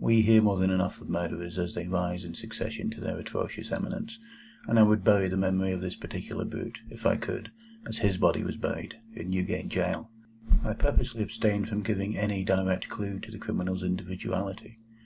We hear more than enough of murderers as they rise in succession to their atrocious eminence, and I would bury the memory of this particular brute, if I could, as his body was buried, in Newgate Jail. I purposely abstain from giving any direct clue to the criminal's individuality.